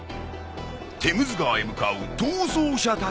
テムズ川へ向かう逃走者たち。